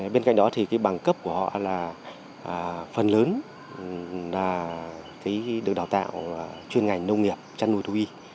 bên cạnh đó thì cái bằng cấp của họ là phần lớn là được đào tạo chuyên ngành nông nghiệp chăn nuôi thu y